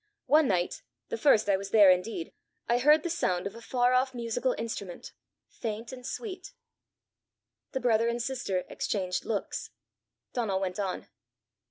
One night, the first I was there indeed, I heard the sound of a far off musical instrument, faint and sweet." The brother and sister exchanged looks. Donal went on.